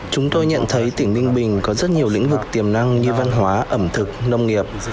chúng tôi nhận thấy tỉnh ninh bình có rất nhiều lĩnh vực tiềm năng như văn hóa ẩm thực nông nghiệp